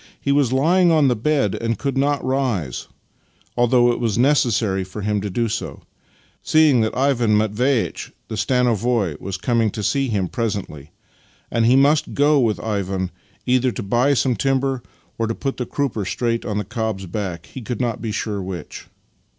He was lying on the bed, and could not rise, although it was necessary for him to do so, seeing that Ivan Matveitch, the stanovoi, was coming to see him pre sently, and he must go with Ivan either to buy some timber or to put the crupper straight on the cob's back — he could not be sure which.